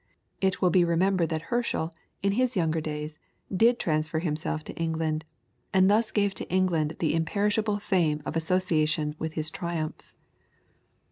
It will be remembered that Herschel, in his younger days, did transfer himself to England, and thus gave to England the imperishable fame of association with his triumphs.